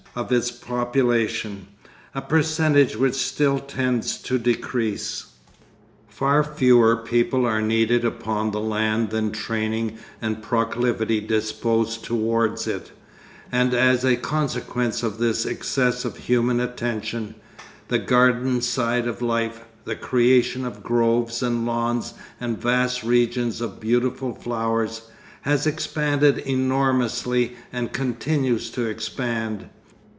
of its population, a percentage which still tends to decrease. Far fewer people are needed upon the land than training and proclivity dispose towards it, and as a consequence of this excess of human attention, the garden side of life, the creation of groves and lawns and vast regions of beautiful flowers, has expanded enormously and continues to expand.